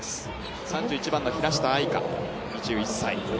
３１番の平下愛佳、２１歳。